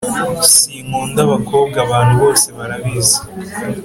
sinkunda abakobwa abantu bose barabizi